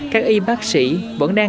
các y bác sĩ vẫn đang